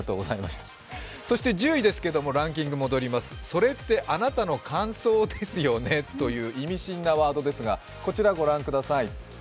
そして１０位ですけれども、それってあなたの感想ですよね？という意味深なワードですがこちら、御覧ください。